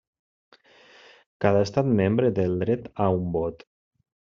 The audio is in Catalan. Cada estat membre té el dret a un vot.